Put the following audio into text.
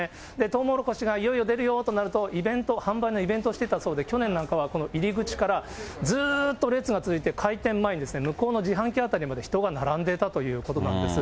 とうもろこしがいよいよ出るよとなると、イベント、販売のイベントをしていたそうで、去年なんかはこの入り口からずっと列が続いて、開店前、向こうの自販機辺りまで人が並んでいたということなんです。